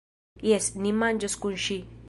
Jes, ni manĝos kun ŜI.